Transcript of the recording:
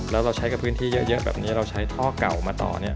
แล้วเราใช้กับพื้นที่เยอะแบบนี้เราใช้ท่อเก่ามาต่อเนี่ย